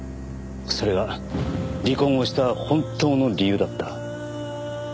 それが離婚をした本当の理由だった。